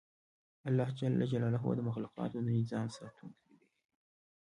الله ج د مخلوقاتو د نظام ساتونکی دی